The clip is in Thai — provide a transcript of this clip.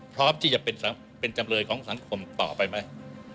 พร้อมที่จะเป็นจำเลยของสังคมต่อไปไหม